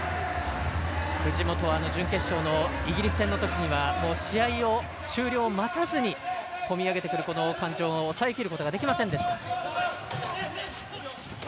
藤本は準決勝のイギリス戦のとき試合終了を待たずに込み上げてくる感情を抑えきることができませんでした。